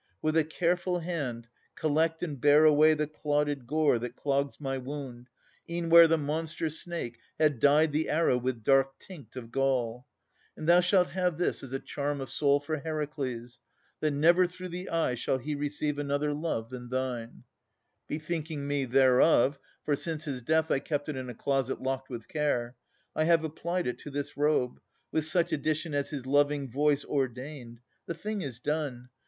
With a careful hand Collect and bear away the clotted gore That clogs my wound, e'en where the monster snake Had dyed the arrow with dark tinct of gall; And thou shalt have this as a charm of soul For Heracles, that never through the eye Shall he receive another love than thine.' Whereof bethinking me, for since his death I kept it in a closet locked with care, I have applied it to this robe, with such Addition as his living voice ordained. The thing is done.